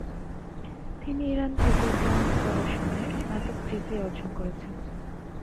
তিনি ইরান থেকে ইসলামিক পড়াশুনায় স্নাতক ডিগ্রি অর্জন করেছেন।